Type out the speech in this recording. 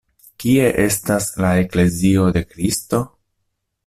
Kie estas la Eklezio de Kristo?.